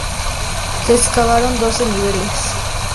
Se excavaron doce niveles.